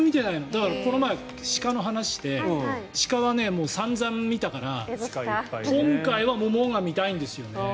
だから、この前、鹿の話をして鹿はさんざん見たから今回はモモンガ見たいんですよね。